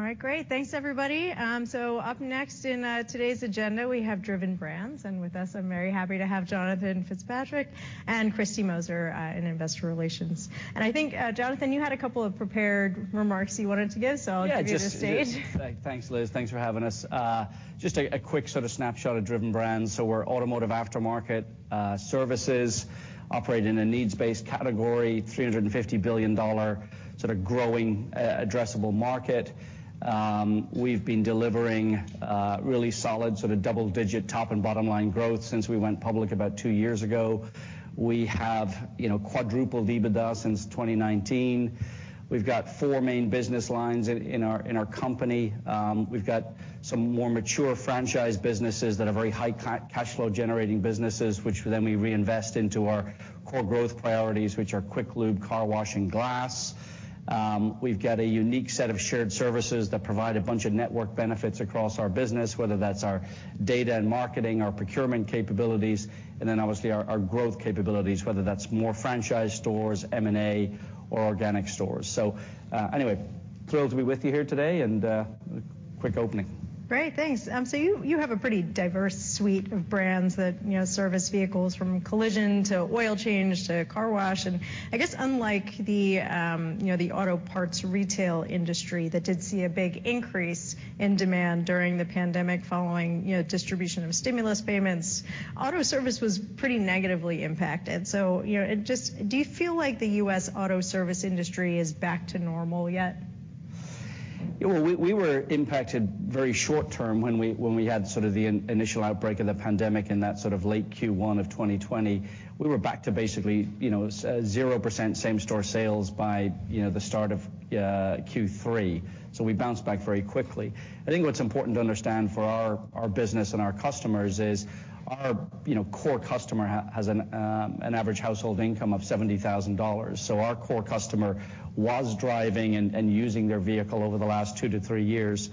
All right, great. Thanks everybody. Up next in today's agenda, we have Driven Brands, and with us, I'm very happy to have Jonathan Fitzpatrick and Kristi Moser in investor relations. I think, Jonathan, you had a couple of prepared remarks you wanted to give, so I'll give you the stage. Yeah, just. Yeah. Thanks, Liz. Thanks for having us. just a quick sort of snapshot of Driven Brands. We're automotive aftermarket services, operate in a needs-based category, $350 billion sort of growing addressable market. We've been delivering really solid sort of double-digit top and bottom line growth since we went public about two years ago. We have, you know, quadrupled EBITDA since 2019. We've got four main business lines in our company. We've got some more mature franchise businesses that are very high cash flow generating businesses, which then we reinvest into our core growth priorities, which are Quick Lube, car wash, and glass. We've got a unique set of shared services that provide a bunch of network benefits across our business, whether that's our data and marketing, our procurement capabilities, and then obviously our growth capabilities, whether that's more franchise stores, M&A, or organic stores. Anyway, thrilled to be with you here today, and quick opening. Great. Thanks. so you have a pretty diverse suite of brands that, you know, service vehicles from collision to oil change to car wash. I guess unlike the, you know, the auto parts retail industry that did see a big increase in demand during the pandemic following, you know, distribution of stimulus payments, auto service was pretty negatively impacted. You know, just do you feel like the U.S. auto service industry is back to normal yet? Yeah. Well, we were impacted very short term when we had sort of the initial outbreak of the pandemic in that sort of late Q1 of 2020. We were back to basically, you know, 0% same store sales by, you know, the start of Q3. We bounced back very quickly. I think what's important to understand for our business and our customers is our, you know, core customer has an average household income of $70,000, so our core customer was driving and using their vehicle over the last two to three years.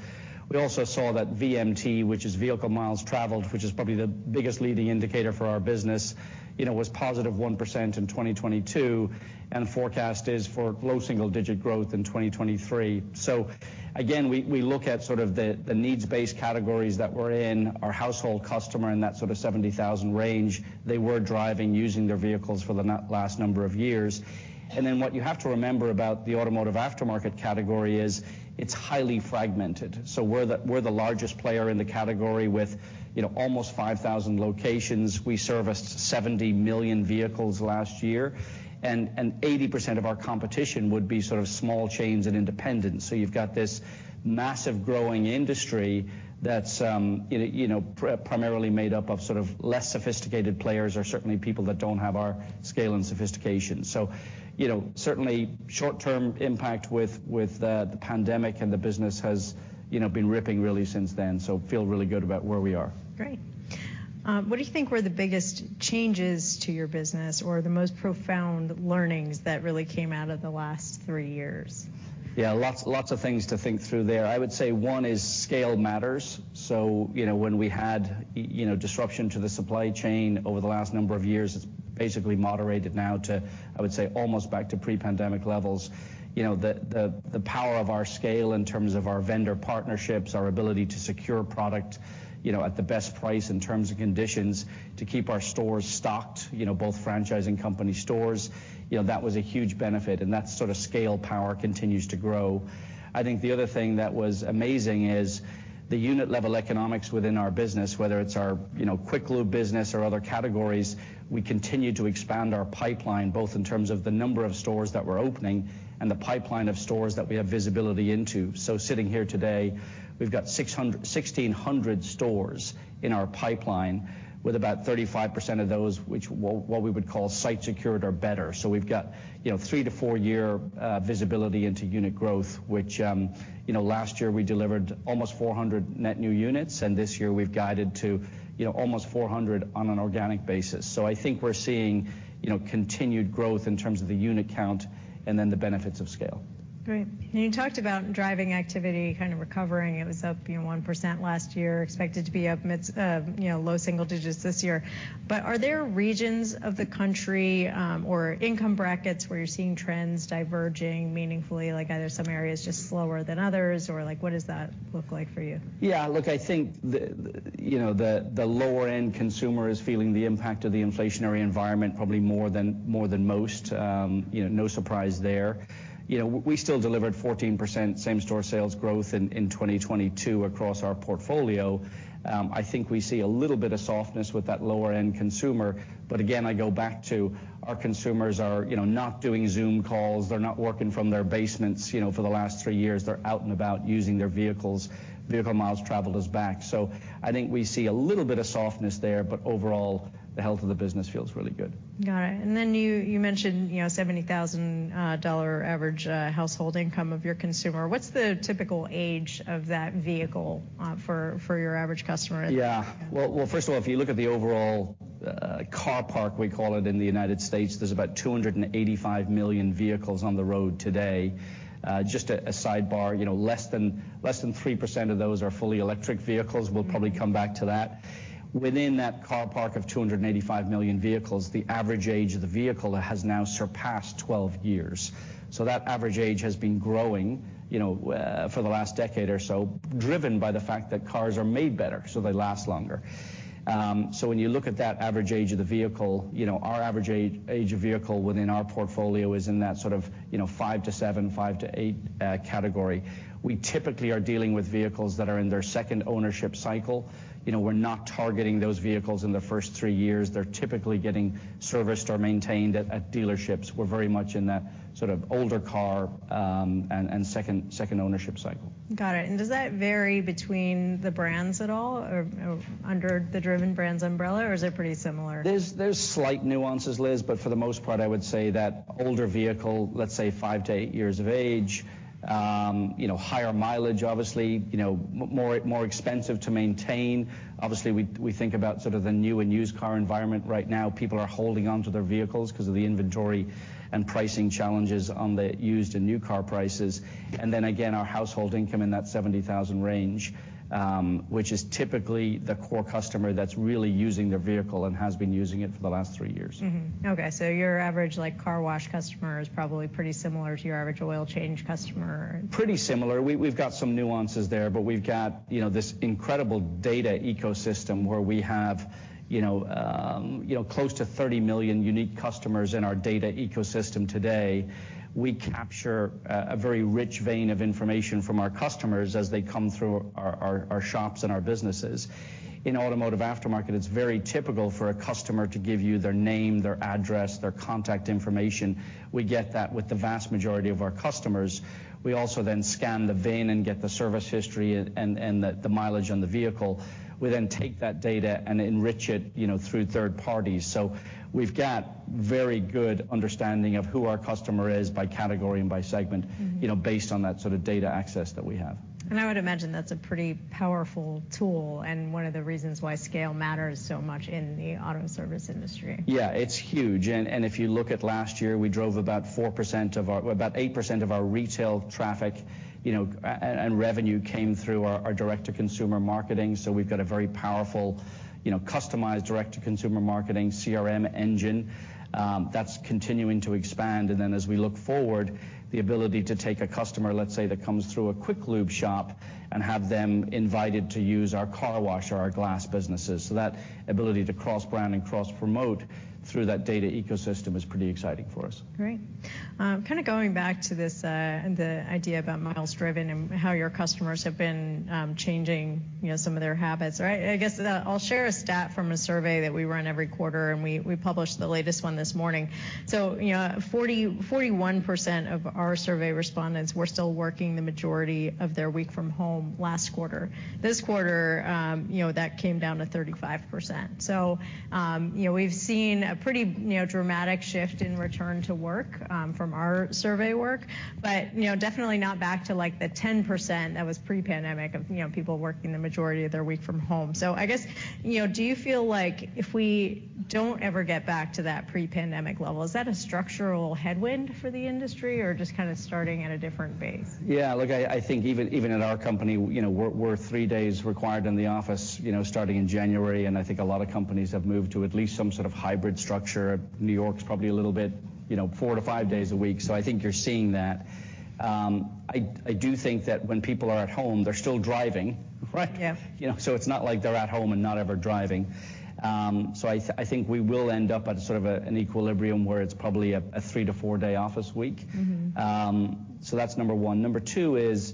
We also saw that VMT, which is Vehicle Miles Traveled, which is probably the biggest leading indicator for our business, you know, was +1% in 2022, and the forecast is for low single digit growth in 2023. Again, we look at sort of the needs-based categories that we're in, our household customer in that sort of 70,000 range, they were driving, using their vehicles for the last number of years. What you have to remember about the automotive aftermarket category is it's highly fragmented. We're the largest player in the category with, you know, almost 5,000 locations. We serviced 70 million vehicles last year, and 80% of our competition would be sort of small chains and independents. You've got this massive growing industry that's, you know, you know, primarily made up of sort of less sophisticated players or certainly people that don't have our scale and sophistication. you know, certainly short-term impact with the pandemic and the business has, you know, been ripping really since then, so feel really good about where we are. Great. What do you think were the biggest changes to your business or the most profound learnings that really came out of the last three years? Yeah, lots of things to think through there. I would say one is scale matters. When we had, you know, disruption to the supply chain over the last number of years, it's basically moderated now to, I would say, almost back to pre-pandemic levels. You know, the power of our scale in terms of our vendor partnerships, our ability to secure product, you know, at the best price and terms and conditions to keep our stores stocked, you know, both franchise and company stores, you know, that was a huge benefit, and that sort of scale power continues to grow. I think the other thing that was amazing is the unit level economics within our business, whether it's our, you know, Quick Lube business or other categories, we continue to expand our pipeline, both in terms of the number of stores that we're opening and the pipeline of stores that we have visibility into. Sitting here today, we've got 1,600 stores in our pipeline, with about 35% of those which what we would call site secured or better. We've got, you know, 3-4-year visibility into unit growth, which, you know, last year we delivered almost 400 net new units. This year we've guided to, you know, almost 400 on an organic basis. I think we're seeing, you know, continued growth in terms of the unit count and then the benefits of scale. Great. You talked about driving activity kind of recovering. It was up, you know, 1% last year, expected to be up mid, you know, low single digits this year. Are there regions of the country, or income brackets where you're seeing trends diverging meaningfully? Like, are there some areas just slower than others, or, like, what does that look like for you? Look, I think the, you know, the lower end consumer is feeling the impact of the inflationary environment probably more than, more than most. You know, no surprise there. We still delivered 14% same store sales growth in 2022 across our portfolio. I think we see a little bit of softness with that lower end consumer, but again, I go back to our consumers are, you know, not doing Zoom calls. They're not working from their basements, you know, for the last 3 years. They're out and about using their vehicles. Vehicle Miles Traveled is back. I think we see a little bit of softness there, but overall, the health of the business feels really good. Got it. Then you mentioned, you know, $70,000 average household income of your consumer. What's the typical age of that vehicle for your average customer? Well, first of all, if you look at the overall car park, we call it in the United States. There's about 285 million vehicles on the road today. Just a sidebar. You know, less than 3% of those are fully electric vehicles. We'll probably come back to that. Within that car park of 285 million vehicles, the average age of the vehicle has now surpassed 12 years. That average age has been growing, you know, for the last decade or so, driven by the fact that cars are made better, so they last longer. When you look at that average age of the vehicle, you know, our average age of vehicle within our portfolio is in that sort of, you know, 5-7, 5-8 category. We typically are dealing with vehicles that are in their second ownership cycle. You know, we're not targeting those vehicles in the first three years. They're typically getting serviced or maintained at dealerships. We're very much in that sort of older car, and second ownership cycle. Got it. Does that vary between the brands at all? Or under the Driven Brands umbrella, or is it pretty similar? There's slight nuances, Liz, but for the most part, I would say that older vehicle, let's say five to eight years of age, you know, higher mileage obviously, more expensive to maintain. Obviously, we think about sort of the new and used car environment right now. People are holding onto their vehicles 'cause of the inventory and pricing challenges on the used and new car prices. Then again, our household income in that $70,000 range, which is typically the core customer that's really using their vehicle and has been using it for the last three years. Okay. Your average, like, car wash customer is probably pretty similar to your average oil change customer. Pretty similar. We've got some nuances there, but we've got, you know, this incredible data ecosystem where we have, you know, close to 30 million unique customers in our data ecosystem today. We capture a very rich vein of information from our customers as they come through our shops and our businesses. In automotive aftermarket, it's very typical for a customer to give you their name, their address, their contact information. We get that with the vast majority of our customers. We also scan the VIN and get the service history and the mileage on the vehicle. We take that data and enrich it, you know, through third parties. We've got very good understanding of who our customer is by category and by segment... Mm-hmm. You know, based on that sort of data access that we have. I would imagine that's a pretty powerful tool, and one of the reasons why scale matters so much in the auto service industry. Yeah. It's huge. If you look at last year, we drove about 8% of our retail traffic, you know, and revenue came through our direct-to-consumer marketing. We've got a very powerful, you know, customized direct-to-consumer marketing CRM engine that's continuing to expand. As we look forward, the ability to take a customer, let's say, that comes through a Quick Lube shop and have them invited to use our car wash or our glass businesses. That ability to cross-brand and cross-promote through that data ecosystem is pretty exciting for us. Great. Kinda going back to this, the idea about miles driven and how your customers have been, changing, you know, some of their habits, right? I guess I'll share a stat from a survey that we run every quarter, and we published the latest one this morning. You know, 41% of our survey respondents were still working the majority of their week from home last quarter. This quarter, you know, that came down to 35%. You know, we've seen a pretty, you know, dramatic shift in return to work, from our survey work. You know, definitely not back to, like, the 10% that was pre-pandemic of, you know, people working the majority of their week from home. I guess, you know, do you feel like if we don't ever get back to that pre-pandemic level, is that a structural headwind for the industry or just kinda starting at a different base? Yeah. Look, I think even at our company, you know, we're three days required in the office, you know, starting in January. I think a lot of companies have moved to at least some sort of hybrid structure. New York's probably a little bit, you know, four to five days a week. I think you're seeing that. I do think that when people are at home, they're still driving, right? Yeah. You know, it's not like they're at home and not ever driving. I think we will end up at sort of a, an equilibrium where it's probably a 3- to 4-day office week. Mm-hmm. That's number one. Number two is,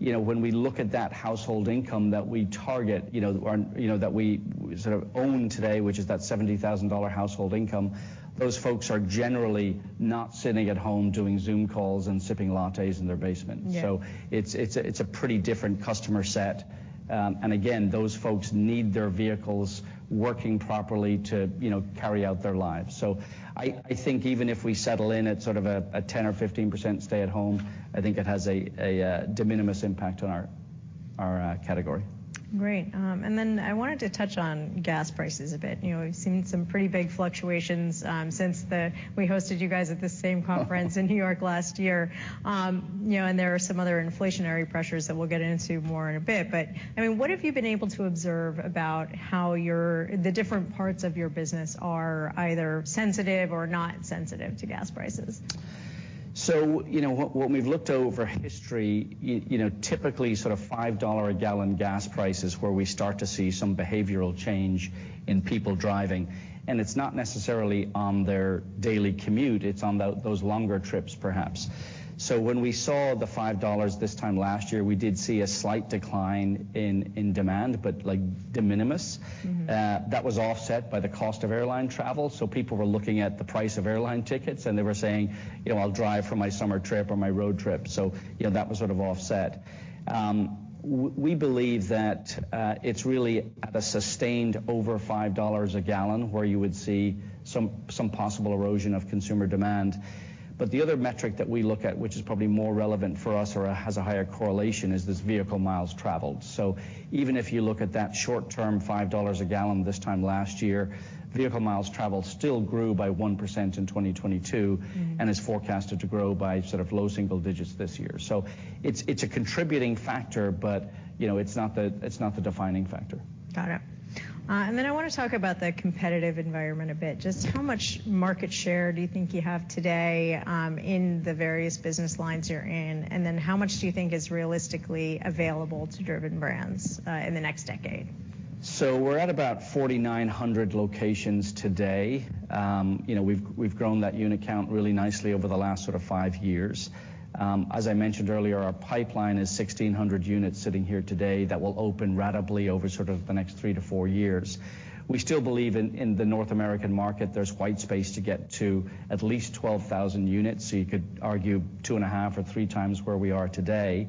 you know, when we look at that household income that we target, you know, or, you know, that we sort of own today, which is that $70,000 household income, those folks are generally not sitting at home doing Zoom calls and sipping lattes in their basement. Yeah. It's a pretty different customer set. Again, those folks need their vehicles working properly to, you know, carry out their lives. I think even if we settle in at sort of a 10% or 15% stay at home, I think it has a de minimis impact on our category. Great. Then I wanted to touch on gas prices a bit. You know, we've seen some pretty big fluctuations, since we hosted you guys at the same conference in New York last year. You know, there are some other inflationary pressures that we'll get into more in a bit. I mean, what have you been able to observe about how your, the different parts of your business are either sensitive or not sensitive to gas prices? you know, what we've looked over history, you know, typically sort of $5 a gallon gas price is where we start to see some behavioral change in people driving. It's not necessarily on their daily commute. It's on those longer trips perhaps. When we saw the $5 this time last year, we did see a slight decline in demand but, like, de minimis. Mm-hmm. That was offset by the cost of airline travel. People were looking at the price of airline tickets and they were saying, you know, "I'll drive for my summer trip or my road trip." You know, that was sort of offset. We believe that it's really at a sustained over $5 a gallon where you would see some possible erosion of consumer demand. The other metric that we look at, which is probably more relevant for us or has a higher correlation, is this Vehicle Miles Traveled. Even if you look at that short-term $5 a gallon this time last year, Vehicle Miles Traveled still grew by 1% in 2022, and is forecasted to grow by sort of low single digits this year. It's a contributing factor, but, you know, it's not the defining factor. Got it. Then I wanna talk about the competitive environment a bit. Just how much market share do you think you have today, in the various business lines you're in? Then how much do you think is realistically available to Driven Brands in the next decade? We're at about 4,900 locations today. You know, we've grown that unit count really nicely over the last sort of five years. As I mentioned earlier, our pipeline is 1,600 units sitting here today that will open ratably over sort of the next three to four years. We still believe in the North American market, there's white space to get to at least 12,000 units, so you could argue 2.5x or 3x where we are today.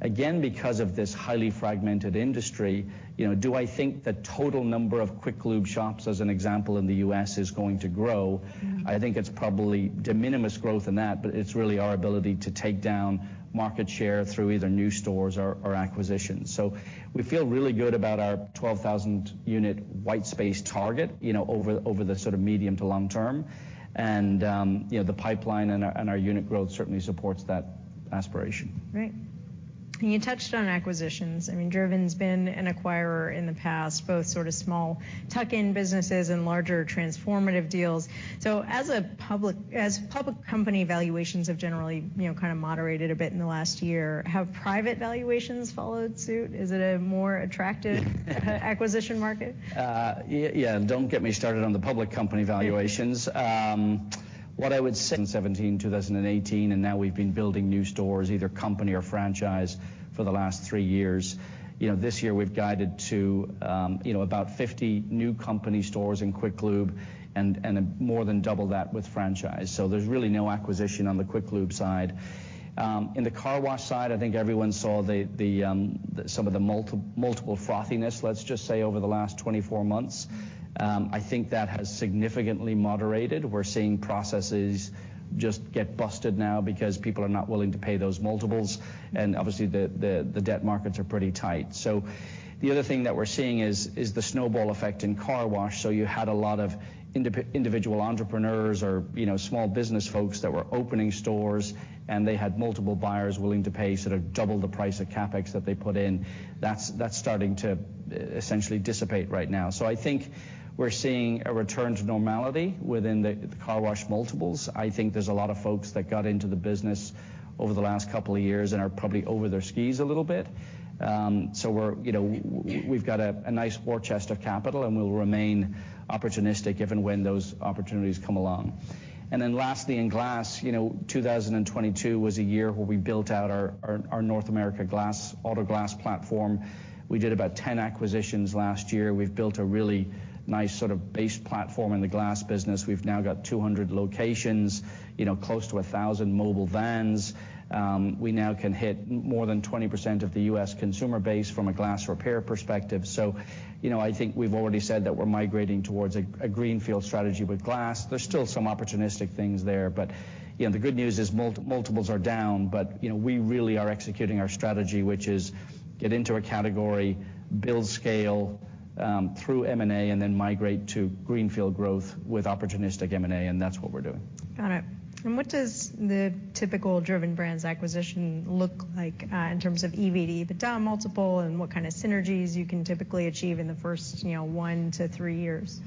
Again, because of this highly fragmented industry, you know, do I think the total number of Quick Lube shops, as an example, in the U.S. is going to grow? Mm. I think it's probably de minimis growth in that, but it's really our ability to take down market share through either new stores or acquisitions. We feel really good about our 12,000 unit white space target, you know, over the sort of medium to long term. you know, the pipeline and our unit growth certainly supports that aspiration. Right. You touched on acquisitions. I mean, Driven's been an acquirer in the past, both sort of small tuck-in businesses and larger transformative deals. As public company valuations have generally, you know, kind of moderated a bit in the last year, have private valuations followed suit? Is it a more attractive acquisition market? Don't get me started on the public company valuations. What I would say in 2017, 2018, now we've been building new stores, either company or franchise, for the last three years. You know, this year we've guided to, you know, about 50 new company stores in Quick Lube and more than double that with franchise. There's really no acquisition on the Quick Lube side. In the car wash side, I think everyone saw some of the multiple frothiness, let's just say, over the last 24 months. I think that has significantly moderated. We're seeing processes just get busted now because people are not willing to pay those multiples, obviously the debt markets are pretty tight. The other thing that we're seeing is the snowball effect in car wash. You had a lot of individual entrepreneurs or, you know, small business folks that were opening stores, and they had multiple buyers willing to pay sort of double the price of CapEx that they put in. That's starting to essentially dissipate right now. I think we're seeing a return to normality within the car wash multiples. I think there's a lot of folks that got into the business over the last couple of years and are probably over their skis a little bit. You know, we've got a nice war chest of capital, and we'll remain opportunistic if and when those opportunities come along. Lastly, in glass, you know, 2022 was a year where we built out our North America glass, auto glass platform. We did about 10 acquisitions last year. We've built a really nice sort of base platform in the glass business. We've now got 200 locations, you know, close to 1,000 mobile vans. We now can hit more than 20% of the U.S. consumer base from a glass repair perspective. You know, I think we've already said that we're migrating towards a greenfield strategy with glass. There's still some opportunistic things there. You know, the good news is multiples are down, but, you know, we really are executing our strategy, which is get into a category, build scale, through M&A, and then migrate to greenfield growth with opportunistic M&A, and that's what we're doing. Got it. What does the typical Driven Brands acquisition look like, in terms of EBITDA multiple, and what kind of synergies you can typically achieve in the first, you know, one to three years?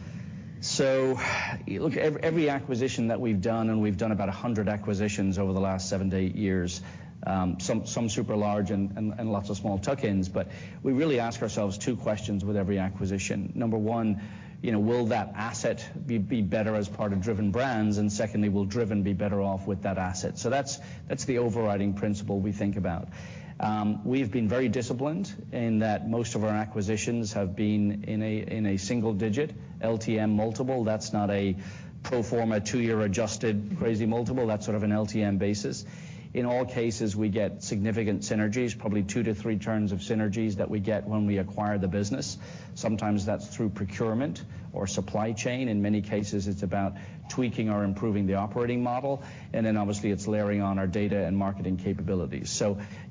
Look, every acquisition that we've done, and we've done about 100 acquisitions over the last seven to eight years, some super large and lots of small tuck-ins, we really ask ourselves two questions with every acquisition. Number one, you know, will that asset be better as part of Driven Brands? Secondly, will Driven be better off with that asset? That's the overriding principle we think about. We've been very disciplined in that most of our acquisitions have been in a single-digit LTM multiple. That's not a pro forma two-year adjusted crazy multiple. That's sort of an LTM basis. In all cases, we get significant synergies, probably two to three turns of synergies that we get when we acquire the business. Sometimes that's through procurement or supply chain. In many cases, it's about tweaking or improving the operating model. Then obviously it's layering on our data and marketing capabilities.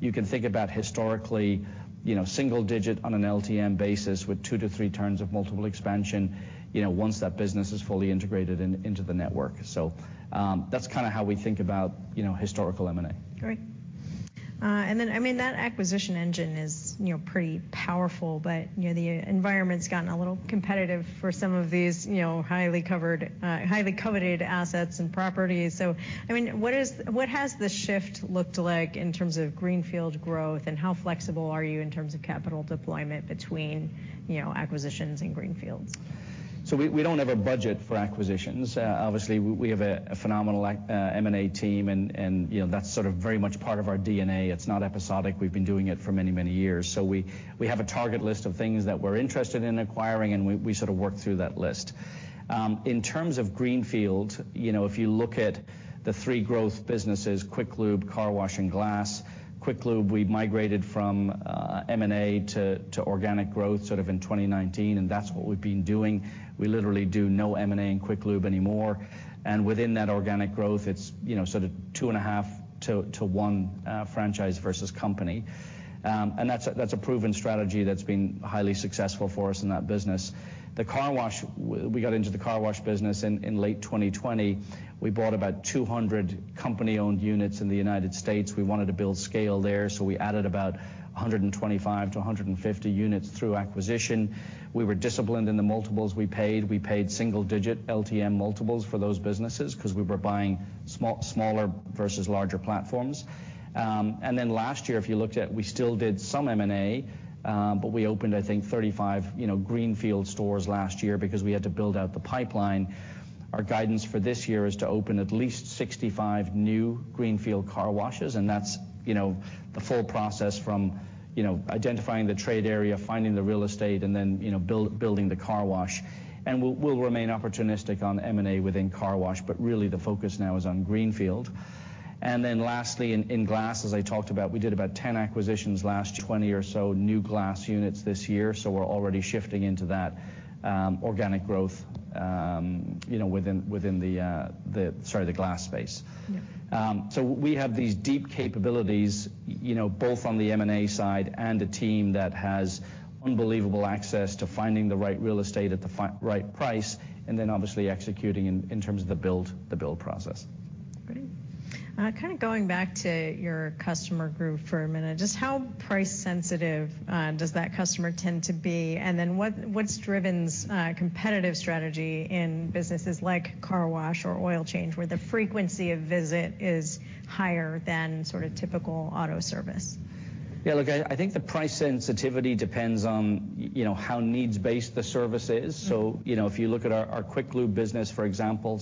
You can think about historically, you know, single digit on an LTM basis with two to three turns of multiple expansion, you know, once that business is fully integrated into the network. That's kinda how we think about, you know, historical M&A. Great. I mean, that acquisition engine is, you know, pretty powerful, but, you know, the environment's gotten a little competitive for some of these, you know, highly covered, highly coveted assets and properties. I mean, What has the shift looked like in terms of greenfield growth, and how flexible are you in terms of capital deployment between, you know, acquisitions and Greenfields? We don't have a budget for acquisitions. Obviously, we have a phenomenal M&A team and, you know, that's sort of very much part of our DNA. It's not episodic. We've been doing it for many, many years. We have a target list of things that we're interested in acquiring, and we sort of work through that list. In terms of greenfield, you know, if you look at the three growth businesses, Quick Lube, car wash, and glass, Quick Lube, we've migrated from M&A to organic growth sort of in 2019, and that's what we've been doing. We literally do no M&A in Quick Lube anymore. Within that organic growth, it's, you know, sort of 2.5 to one franchise versus company. That's a, that's a proven strategy that's been highly successful for us in that business. The car wash, we got into the car wash business in late 2020. We bought about 200 company-owned units in the United States. We wanted to build scale there, so we added about 125 to 150 units through acquisition. We were disciplined in the multiples we paid. We paid single-digit LTM multiples for those businesses because we were buying smaller versus larger platforms. Last year, if you looked at, we still did some M&A, but we opened I think 35, you know, greenfield stores last year because we had to build out the pipeline. Our guidance for this year is to open at least 65 new greenfield car washes, that's, you know, the full process from, you know, identifying the trade area, finding the real estate, and then, you know, building the car wash. We'll, we'll remain opportunistic on M&A within car wash, but really the focus now is on greenfield. Lastly, in glass, as I talked about, we did about 10 acquisitions last 20 or so, new glass units this year, so we're already shifting into that organic growth, you know, within the, sorry, the glass space. Yeah. We have these deep capabilities, you know, both on the M&A side and a team that has unbelievable access to finding the right real estate at the right price, and then obviously executing in terms of the build process. Great. kind of going back to your customer group for a minute, just how price sensitive, does that customer tend to be? What, what's Driven's competitive strategy in businesses like car wash or oil change, where the frequency of visit is higher than sort of typical auto service? Yeah. Look, I think the price sensitivity depends on, you know, how needs-based the service is. Mm-hmm. You know, if you look at our Quick Lube business, for example,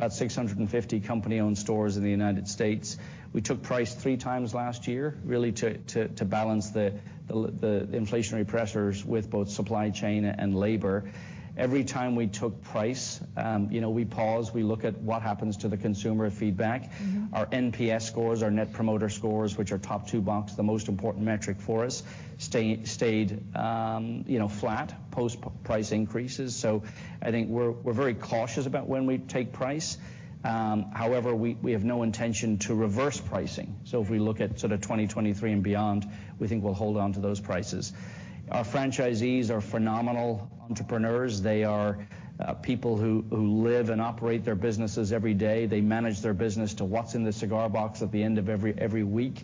about 650 company-owned stores in the United States. We took price 3x last year, really to balance the inflationary pressures with both supply chain and labor. Every time we took price, you know, we pause, we look at what happens to the consumer feedback. Mm-hmm. Our NPS scores, our Net Promoter Scores, which are top-two box, the most important metric for us, stayed, you know, flat post price increases. I think we're very cautious about when we take price. However, we have no intention to reverse pricing. If we look at sort of 2023 and beyond, we think we'll hold on to those prices. Our franchisees are phenomenal entrepreneurs. They are people who live and operate their businesses every day. They manage their business to what's in the cigar box at the end of every week.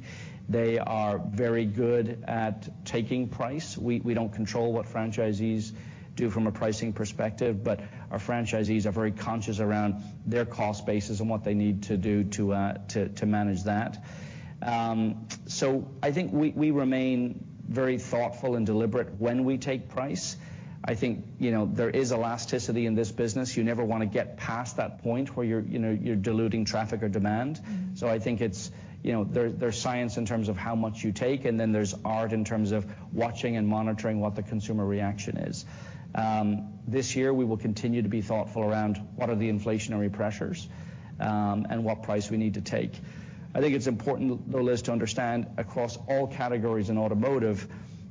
They are very good at taking price. We don't control what franchisees do from a pricing perspective, but our franchisees are very conscious around their cost basis and what they need to do to manage that. I think we remain very thoughtful and deliberate when we take price. I think, you know, there is elasticity in this business. You never wanna get past that point where you're, you know, you're diluting traffic or demand. Mm-hmm. I think it's, you know, there's science in terms of how much you take, and then there's art in terms of watching and monitoring what the consumer reaction is. This year, we will continue to be thoughtful around what are the inflationary pressures, and what price we need to take. I think it's important though, Liz, to understand across all categories in automotive,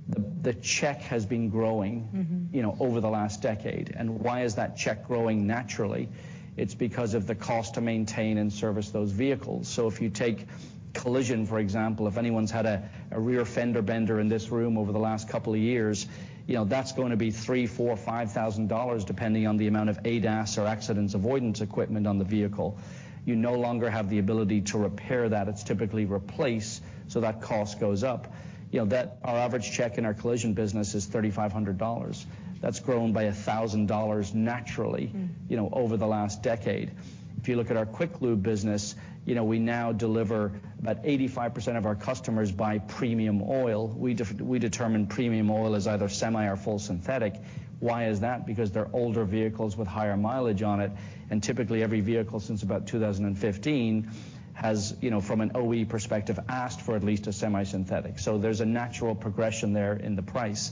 the check has been growing- Mm-hmm you know, over the last decade. Why is that check growing naturally? It's because of the cost to maintain and service those vehicles. If you take collision, for example, if anyone's had a rear fender bender in this room over the last couple of years, you know, that's going to be $3,000, $4,000, $5,000, depending on the amount of ADAS or accidents avoidance equipment on the vehicle. You no longer have the ability to repair that. It's typically replace, so that cost goes up. You know, our average check in our collision business is $3,500. That's grown by $1,000 naturally- Mm you know, over the last decade. If you look at our Quick Lube business, you know, we now deliver about 85% of our customers buy premium oil. We determine premium oil as either semi or full synthetic. Why is that? Because they're older vehicles with higher mileage on it, and typically every vehicle since about 2015 has, you know, from an OE perspective, asked for at least a semi-synthetic. There's a natural progression there in the price.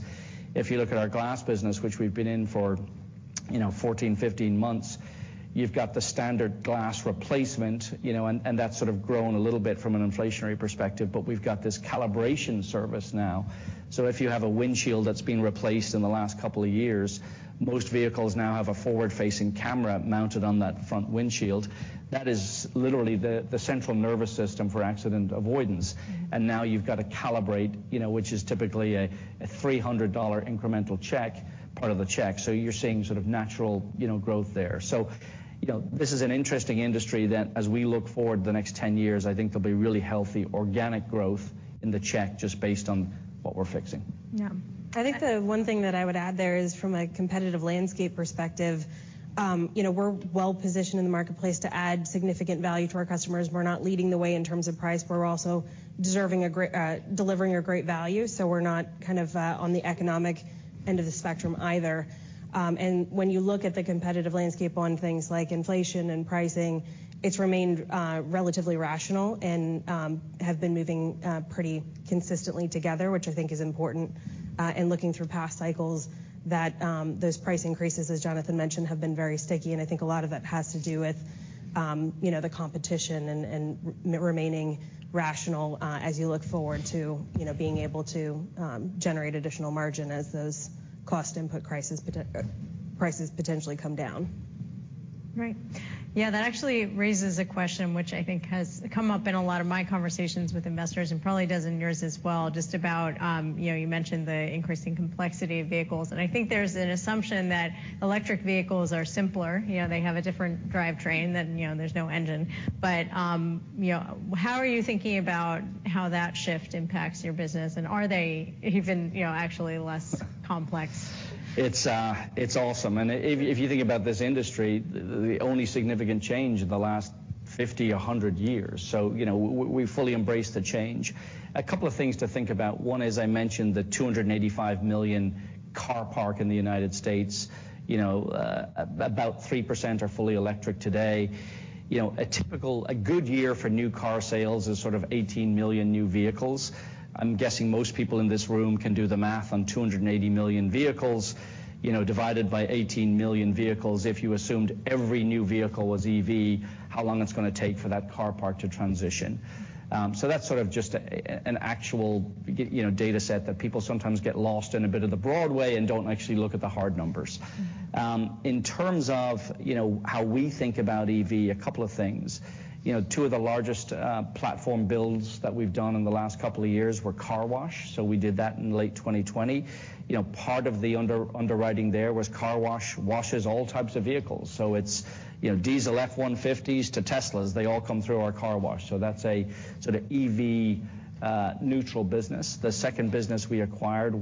If you look at our glass business, which we've been in for, you know, 14, 15 months, you've got the standard glass replacement, you know, and that's sort of grown a little bit from an inflationary perspective. We've got this calibration service now. If you have a windshield that's been replaced in the last couple of years, most vehicles now have a forward-facing camera mounted on that front windshield. That is literally the central nervous system for accident avoidance. Mm-hmm. Now you've got to calibrate, you know, which is typically a $300 incremental check, part of the check. You're seeing sort of natural, you know, growth there. You know, this is an interesting industry that as we look forward the next 10 years, I think there'll be really healthy organic growth in the check just based on what we're fixing. Yeah. I think the one thing that I would add there is from a competitive landscape perspective, you know, we're well-positioned in the marketplace to add significant value to our customers. We're not leading the way in terms of price, but we're also deserving a great, delivering a great value, so we're not kind of, on the economic end of the spectrum either. When you look at the competitive landscape on things like inflation and pricing, it's remained relatively rational and have been moving pretty consistently together, which I think is important in looking through past cycles that those price increases, as Jonathan mentioned, have been very sticky. I think a lot of that has to do with, you know, the competition and remaining rational, as you look forward to, you know, being able to generate additional margin as those cost input crisis prices potentially come down. Right. Yeah, that actually raises a question which I think has come up in a lot of my conversations with investors and probably does in yours as well, just about, you know, you mentioned the increasing complexity of vehicles, and I think there's an assumption that electric vehicles are simpler. You know, they have a different drivetrain than, you know, there's no engine. You know, how are you thinking about how that shift impacts your business, and are they even, you know, actually less complex? It's awesome, if you think about this industry, the only significant change in the last 50 or 100 years, you know, we fully embrace the change. A couple of things to think about. One, as I mentioned, the 285 million car park in the United States, you know, about 3% are fully electric today. You know, a good year for new car sales is sort of 18 million new vehicles. I'm guessing most people in this room can do the math on 280 million vehicles, you know, divided by 18 million vehicles if you assumed every new vehicle was EV, how long it's gonna take for that car park to transition. That's sort of just a, an actual you know, data set that people sometimes get lost in a bit of the broad way and don't actually look at the hard numbers. Mm-hmm. In terms of, you know, how we think about EV, a couple of things. You know, two of the largest platform builds that we've done in the last couple of years were car wash, so we did that in late 2020. You know, part of the underwriting there was car wash washes all types of vehicles. It's, you know, diesel F-150s to Teslas. They all come through our car wash, so that's a sort of EV neutral business. The second business we acquired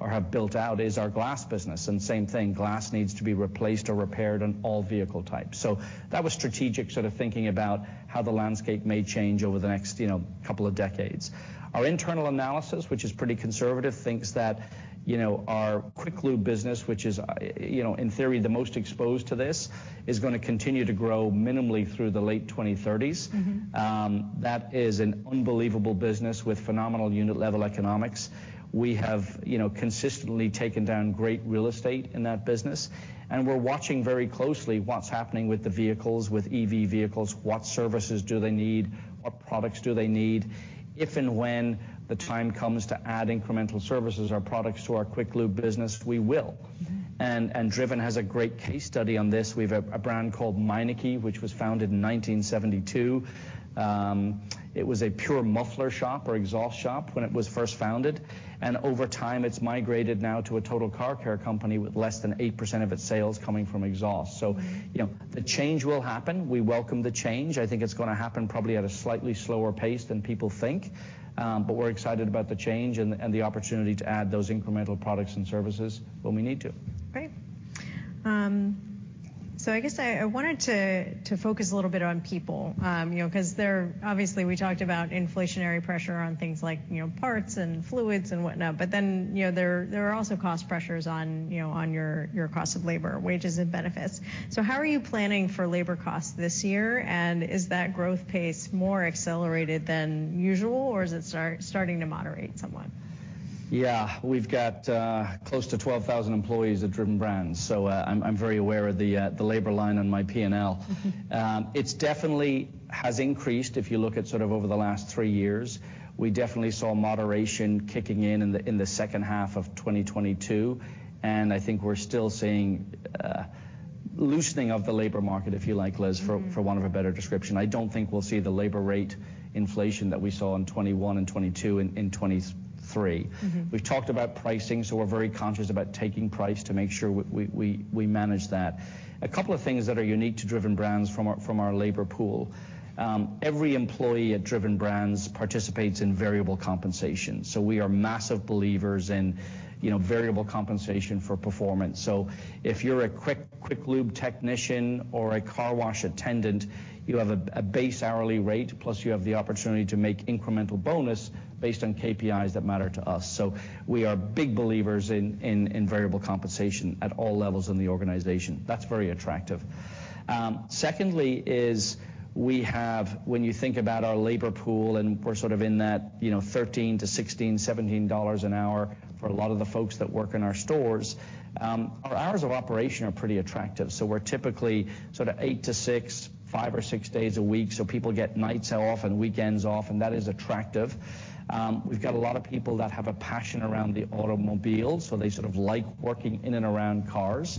or have built out is our glass business, and same thing. Glass needs to be replaced or repaired on all vehicle types. That was strategic sort of thinking about how the landscape may change over the next, you know, couple of decades. Our internal analysis, which is pretty conservative, thinks that, you know, our Quick Lube business, which is, you know, in theory the most exposed to this, is gonna continue to grow minimally through the late 2030s. Mm-hmm. That is an unbelievable business with phenomenal unit-level economics. We have, you know, consistently taken down great real estate in that business. We're watching very closely what's happening with the vehicles, with EV vehicles, what services do they need, what products do they need. If and when the time comes to add incremental services or products to our Quick Lube business, we will. Mm-hmm. Driven has a great case study on this. We've a brand called Meineke, which was founded in 1972. It was a pure muffler shop or exhaust shop when it was first founded, and over time, it's migrated now to a total car care company with less than 8% of its sales coming from exhaust. You know, the change will happen. We welcome the change. I think it's gonna happen probably at a slightly slower pace than people think, but we're excited about the change and the opportunity to add those incremental products and services when we need to. Great. I guess I wanted to focus a little bit on people, you know, 'cause they're... Obviously, we talked about inflationary pressure on things like, you know, parts and fluids and whatnot, but then, you know, there are also cost pressures on, you know, on your cost of labor, wages and benefits. How are you planning for labor costs this year, and is that growth pace more accelerated than usual, or is it starting to moderate somewhat? We've got close to 12,000 employees at Driven Brands, I'm very aware of the labor line on my P&L. It's definitely has increased if you look at sort of over the last three years. We definitely saw moderation kicking in in the second half of 2022, I think we're still seeing loosening of the labor market, if you like, Liz. Mm-hmm... for want of a better description. I don't think we'll see the labor rate inflation that we saw in 2021 and 2022 in 2023. Mm-hmm. We've talked about pricing, we're very conscious about taking price to make sure we manage that. A couple of things that are unique to Driven Brands from our, from our labor pool. Every employee at Driven Brands participates in variable compensation, we are massive believers in, you know, variable compensation for performance. If you're a Quick Lube technician or a car wash attendant, you have a base hourly rate plus you have the opportunity to make incremental bonus based on KPIs that matter to us. We are big believers in variable compensation at all levels in the organization. That's very attractive. Secondly is we have, when you think about our labor pool, and we're sort of in that, you know, $13 to $16, $17 an hour for a lot of the folks that work in our stores, our hours of operation are pretty attractive. We're typically sort of 8:00 to 6:00, 5 or 6 days a week, so people get nights off and weekends off, and that is attractive. We've got a lot of people that have a passion around the automobile, so they sort of like working in and around cars.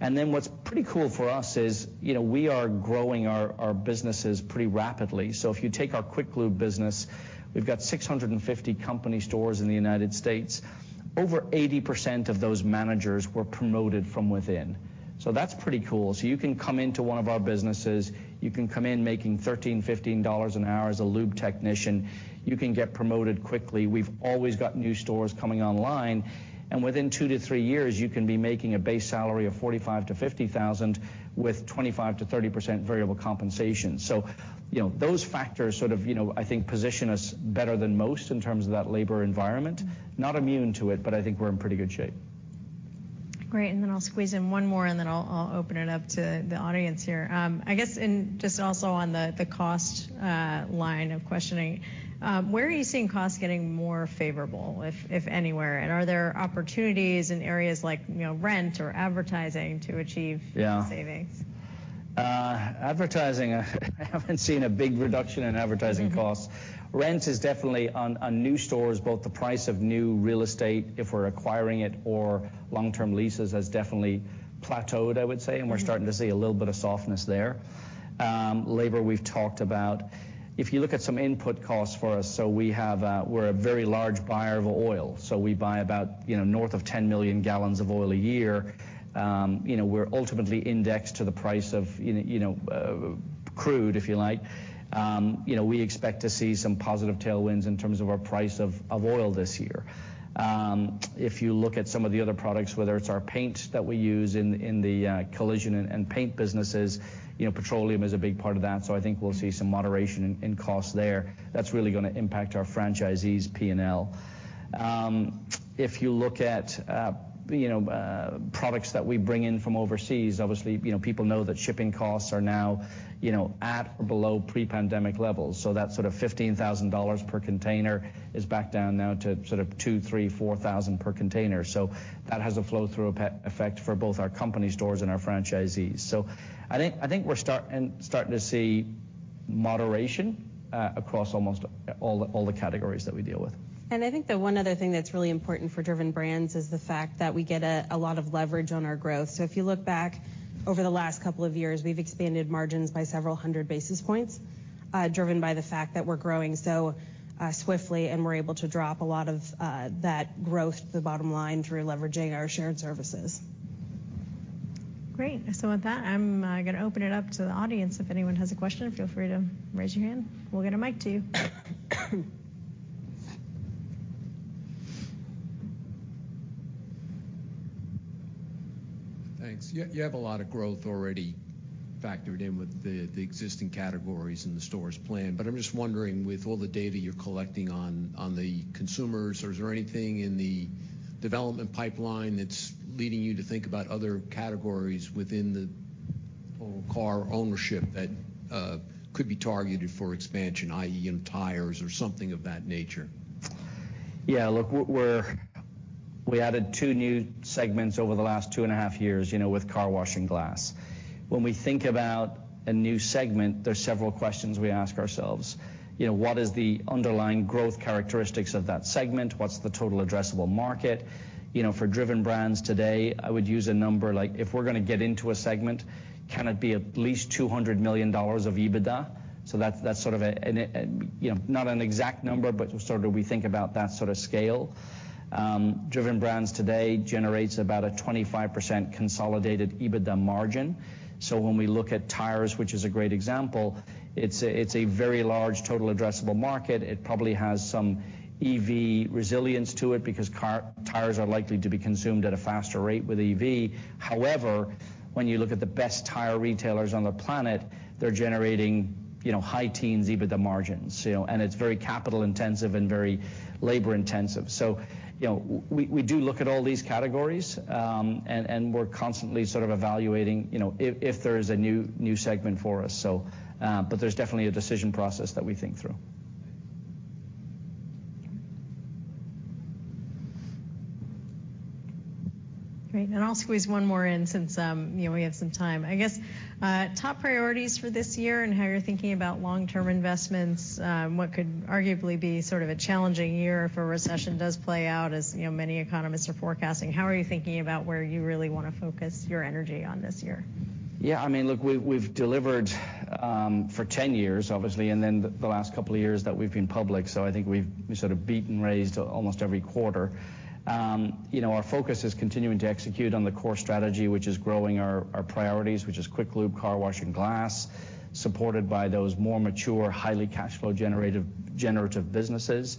What's pretty cool for us is, you know, we are growing our businesses pretty rapidly. If you take our Quick Lube business, we've got 650 company stores in the United States. Over 80% of those managers were promoted from within. That's pretty cool. You can come into one of our businesses. You can come in making $13, $15 an hour as a lube technician. You can get promoted quickly. We've always got new stores coming online, and within two-three years, you can be making a base salary of $45,000-$50,000 with 25%-30% variable compensation. You know, those factors sort of, you know, I think position us better than most in terms of that labor environment. Mm-hmm. Not immune to it, but I think we're in pretty good shape. Great, I'll squeeze in one more, and then I'll open it up to the audience here. I guess, on the cost line of questioning, where are you seeing costs getting more favorable, if anywhere, and are there opportunities in areas like, you know, rent or advertising to achieve? Yeah... cost savings? Advertising, I haven't seen a big reduction in advertising costs. Rent is definitely on new stores, both the price of new real estate, if we're acquiring it, or long-term leases has definitely plateaued, I would say, and we're starting to see a little bit of softness there. Labor we've talked about. If you look at some input costs for us, so we're a very large buyer of oil, so we buy about, you know, north of 10 million gallons of oil a year. You know, we're ultimately indexed to the price of, you know, you know, crude, if you like. You know, we expect to see some positive tailwinds in terms of our price of oil this year. If you look at some of the other products, whether it's our paint that we use in the collision and paint businesses, you know, petroleum is a big part of that, so I think we'll see some moderation in cost there. That's really gonna impact our franchisees' P&L. If you look at, you know, products that we bring in from overseas, obviously, you know, people know that shipping costs are now, you know, at or below pre-pandemic levels. That sort of $15,000 per container is back down now to sort of $2,000, $3,000, $4,000 per container. That has a flow-through effect for both our company stores and our franchisees. I think we're starting to see moderation across almost all the categories that we deal with. I think the one other thing that's really important for Driven Brands is the fact that we get a lot of leverage on our growth. If you look back over the last couple of years, we've expanded margins by several hundred basis points, driven by the fact that we're growing so swiftly and we're able to drop a lot of that growth to the bottom line through leveraging our shared services. Great. With that, I'm gonna open it up to the audience. If anyone has a question, feel free to raise your hand. We'll get a mic to you. Thanks. You have a lot of growth already factored in with the existing categories and the stores plan, but I'm just wondering, with all the data you're collecting on the consumers, is there anything in the development pipeline that's leading you to think about other categories within the whole car ownership that could be targeted for expansion, i.e., you know, tires or something of that nature? Yeah. Look, we added two new segments over the last two and a half years, you know, with car wash and glass. When we think about a new segment, there's several questions we ask ourselves. You know, what is the underlying growth characteristics of that segment? What's the total addressable market? You know, for Driven Brands today, I would use a number like, if we're gonna get into a segment, can it be at least $200 million of EBITDA? That's sort of an, you know, not an exact number, but sort of we think about that sort of scale. Driven Brands today generates about a 25% consolidated EBITDA margin. When we look at tires, which is a great example, it's a very large total addressable market. It probably has some EV resilience to it because car tires are likely to be consumed at a faster rate with EV. However, when you look at the best tire retailers on the planet, they're generating, you know, high teens EBITDA margins, you know. It's very capital intensive and very labor intensive. You know, we do look at all these categories, and we're constantly sort of evaluating, you know, if there's a new segment for us. There's definitely a decision process that we think through. Great. I'll squeeze one more in since, you know, we have some time. I guess, top priorities for this year and how you're thinking about long-term investments, what could arguably be sort of a challenging year if a recession does play out as, you know, many economists are forecasting. How are you thinking about where you really wanna focus your energy on this year? Yeah. I mean, look, we've delivered for 10 years, obviously, and then the last couple of years that we've been public. I think we've sort of beat and raised almost every quarter. You know, our focus is continuing to execute on the core strategy, which is growing our priorities, which is Quick Lube, car wash, and glass, supported by those more mature, highly cash flow generative businesses.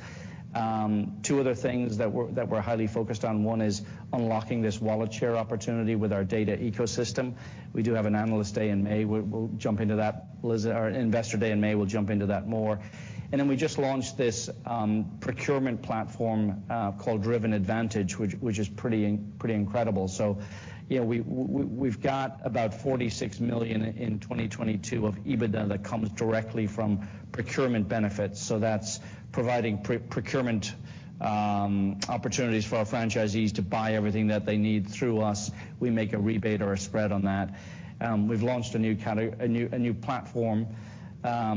Two other things that we're highly focused on, one is unlocking this wallet share opportunity with our data ecosystem. We do have an analyst day in May. We'll jump into that, Liz. Our investor day in May, we'll jump into that more. We just launched this procurement platform called Driven Advantage, which is pretty incredible. You know, we've got about $46 million in 2022 of EBITDA that comes directly from procurement benefits. That's providing procurement opportunities for our franchisees to buy everything that they need through us. We make a rebate or a spread on that. We've launched a new platform,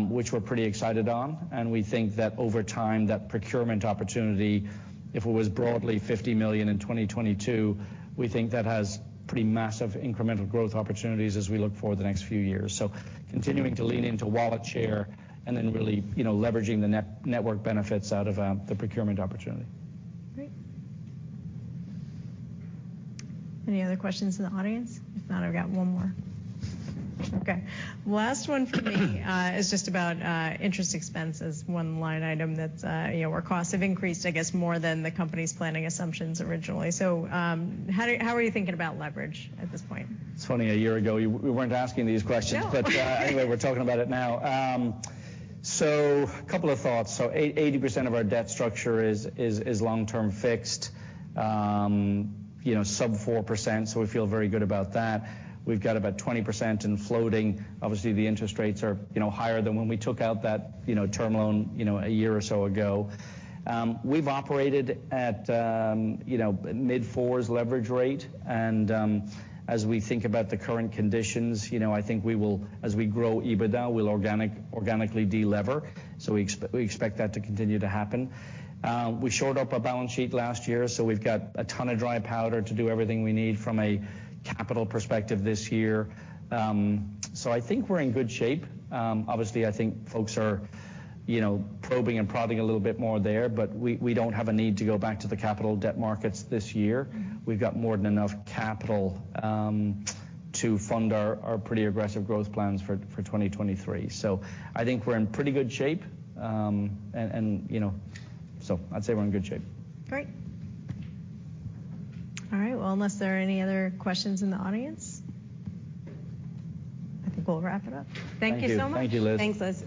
which we're pretty excited on, and we think that over time that procurement opportunity, if it was broadly $50 million in 2022, we think that has pretty massive incremental growth opportunities as we look forward the next few years. Continuing to lean into wallet share and then really, you know, leveraging the network benefits out of the procurement opportunity. Great. Any other questions in the audience? If not, I've got one more. Okay. Last one for me is just about interest expense as one line item that's, you know, where costs have increased, I guess, more than the company's planning assumptions originally. How are you thinking about leverage at this point? It's funny. A year ago, we weren't asking these questions. No. Anyway, we're talking about it now. Couple of thoughts. 80% of our debt structure is long-term fixed, you know, sub 4%, we feel very good about that. We've got about 20% in floating. Obviously, the interest rates are, you know, higher than when we took out that, you know, term loan, you know, a year or so ago. We've operated at, you know, mid-4s leverage rate and, as we think about the current conditions, you know, I think we will, as we grow EBITDA, we'll organically de-lever. We expect that to continue to happen. We shored up our balance sheet last year, we've got a ton of dry powder to do everything we need from a capital perspective this year. I think we're in good shape. Obviously, I think folks are, you know, probing and prodding a little bit more there. We don't have a need to go back to the capital debt markets this year. We've got more than enough capital to fund our pretty aggressive growth plans for 2023. I think we're in pretty good shape, you know, so I'd say we're in good shape. Great. All right. Well, unless there are any other questions in the audience, I think we'll wrap it up. Thank you so much. Thank you. Thank you, Liz. Thanks, Liz.